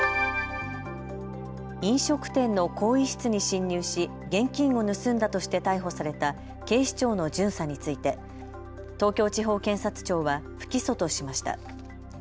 飲食店の更衣室に侵入し現金を盗んだとして逮捕された警視庁の巡査について東京地方検察庁は不起訴としました。